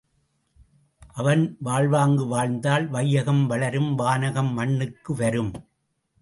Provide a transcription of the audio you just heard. அவன் வாழ்வாங்கு வாழ்ந்தால், வையகம் வளரும் வானகம் மண்ணுக்கு வரும்.